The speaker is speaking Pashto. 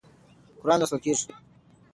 قرآن لوستل کېږي.